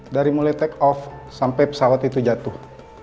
dari mulai take off sampai pesawat itu jatuh